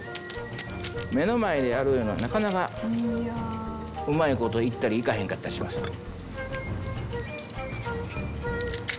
目の前でやるいうのはなかなかうまいこといったりいかへんかったりします。